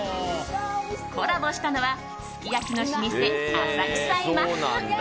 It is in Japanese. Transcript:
コラボしたのはすき焼きの老舗、浅草今半。